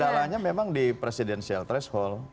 dan ya kendalanya memang di presidensial threshold